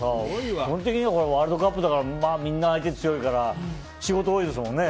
基本的にはワールドカップだから相手、みんな強いから仕事が多いですもんね。